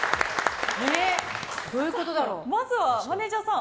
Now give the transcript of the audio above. まずはマネジャーさん